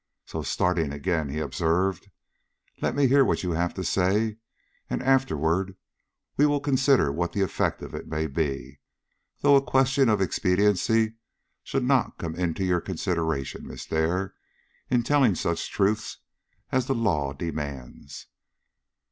So, starting again, he observed: "Let me hear what you have to say, and afterward we will consider what the effect of it may be; though a question of expediency should not come into your consideration, Miss Dare, in telling such truths as the law demands."